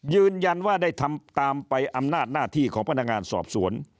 ยืนยันว่าได้ทำตามไปอำนาจหน้าที่ของพนักงานสอบสวน